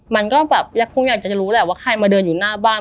มันก็แบบคงอยากจะรู้แหละว่าใครมาเดินอยู่หน้าบ้าน